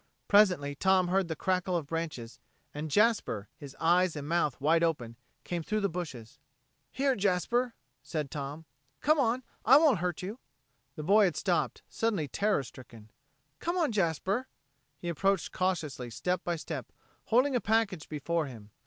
Presently Tom heard the crackle of branches, and Jasper, his eyes and mouth wide open, came through the bushes. "Here, Jasper," said Tom. "Come on I won't hurt you." The boy had stopped, suddenly terror stricken. "Come on, Jasper." He approached cautiously, step by step, holding a package before him.